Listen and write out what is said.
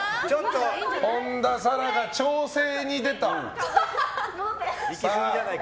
本田紗来が調整に出た！